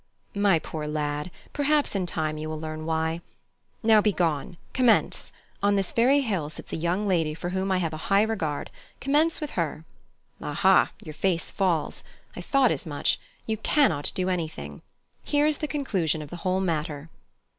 "My poor lad perhaps in time you will learn why. Now begone: commence. On this very hill sits a young lady for whom I have a high regard. Commence with her. Aha! your face falls. I thought as much. You cannot do anything. Here is the conclusion of the whole matter!"